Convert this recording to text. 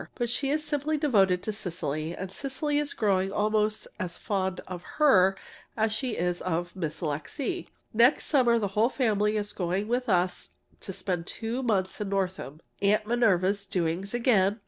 But she is simply devoted to Cecily, and Cecily is growing almost as fond of her as she is of Miss Alixe. Next summer the whole family is going with us to spend two months in Northam (Aunt Minerva's doings again!)